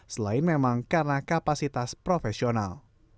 selain memang karena kapasitas profesional